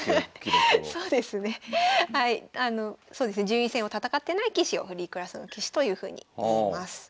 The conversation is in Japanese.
順位戦を戦ってない棋士をフリークラスの棋士というふうにいいます。